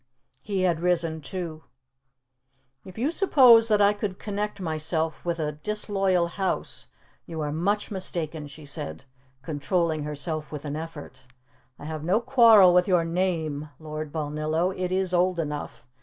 He had risen too. "If you suppose that I could connect myself with a disloyal house you are much mistaken," she said, controlling herself with an effort. "I have no quarrel with your name, Lord Balnillo; it is old enough.